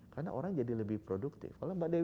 karena orang jadi lebih produktif